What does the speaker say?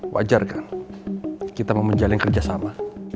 wajar kan kita mau menjalin kerja sama